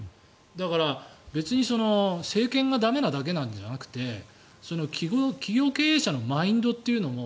だから別に政権が駄目なだけではなくて企業経営者のマインドというのも